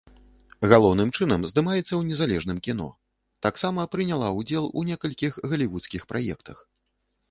Галоўным чынам здымаецца ў незалежным кіно, таксама прыняла ўдзел у некалькіх галівудскіх праектах.